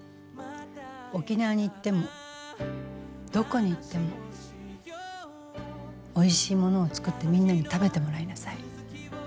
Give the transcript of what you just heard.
沖縄に行ってもどこに行ってもおいしいものを作ってみんなに食べてもらいなさい。